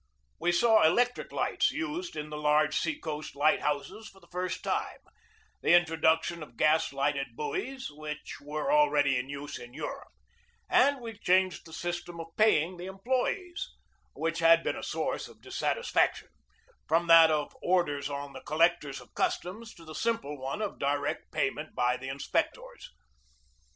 We saw electric lights used in the large sea coast light houses for the first time ; the introduc tion of gas lighted buoys, which were already in use in Europe; and we changed the system of paying the employees (which had been a source of dissatis faction) from that of orders on the collectors of cus toms to the simple one of direct payment by the inspectors.